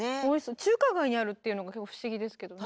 中華街にあるっていうのが不思議ですけどね。